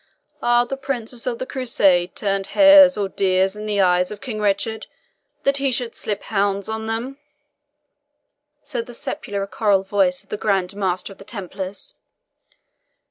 "Are the Princes of the Crusade turned hares or deers in the eyes of King Richard that he should slip hounds on them?" said the sepulchral voice of the Grand Master of the Templars.